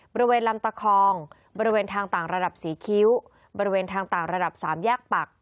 บริเวณลำตะคองบริเวณทางต่างระดับสีคิ้วบริเวณทางต่างระดับสามแยกปัก